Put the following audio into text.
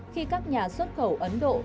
khi các nhà xuất khẩu ấn độ